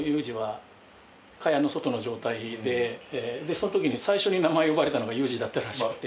そのときに最初に名前呼ばれたのが有志だったらしくて。